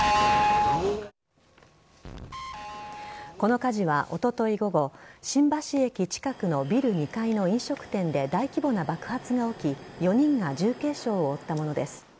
この火事はおととい午後新橋駅近くのビル２階の飲食店で大規模な爆発が起き４人が重軽傷を負ったものです。